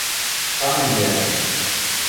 Самынь лиӓлтӹн.